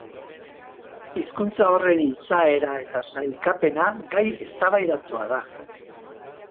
Hizkuntza horren izaera eta sailkapena gai eztabaidatua da.